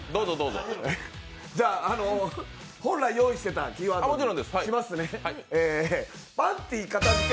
本来用意していたキーワードにしますね。